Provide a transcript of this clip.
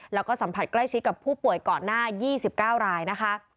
แล้วก็สัมผัสใกล้ชิดกับผู้ป่วยก่อนหน้า๒๙รายนะคะ